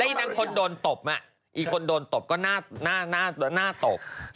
แล้วอีน้องคนโดนตบอ่ะอีคนโดนตบก็น่าตบ